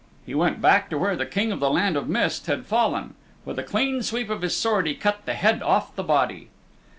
He went back to where the King of the Land of Mist had fallen. With a clean sweep of his sword he cut the head off the body.